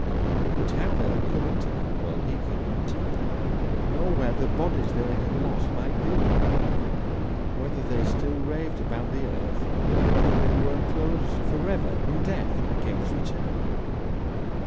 But how they had come into that world he could not tell, nor where the bodies they had lost might be, whether they still raved about the earth, or whether they were closed forever in death against return.